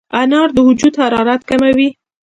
انار د وجود حرارت کموي.